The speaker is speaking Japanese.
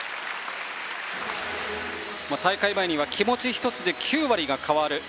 大会前には気持ち１つで９割が変わる。